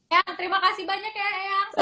ya terima kasih banyak ya eyang